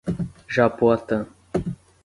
Japoatã